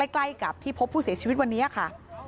ใกล้กับที่พบผู้เสียชีวิตวันนี้ค่ะ